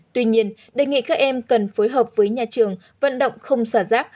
tuy nhiên đề nghị các em cần phối hợp với nhà trường vận động không xả rác